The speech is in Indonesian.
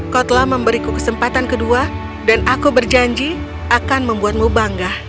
kau telah memberiku kesempatan kedua dan aku berjanji akan membuatmu bangga